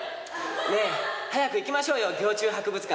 ねえ早く行きましょうよ蟯虫博物館。